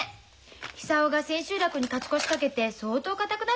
久男が千秋楽に勝ち越しかけて相当固くなってるらしいのよ。